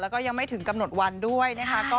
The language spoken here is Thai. แล้วก็ยังไม่ถึงกำหนดวันด้วยนะคะ